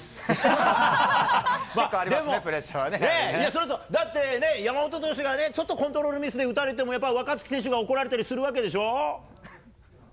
それはそう、だって山本投手がちょっとコントロールミスで打たれても、やっぱり若月選手が怒られたりするわけでしょ？